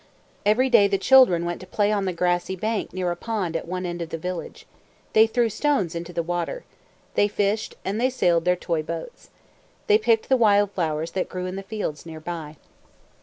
Every day the children went to play on the grassy bank near a pond at one end of the village. They threw stones into the water. They fished, and they sailed their toy boats. They picked the wild flowers that grew in the fields near by.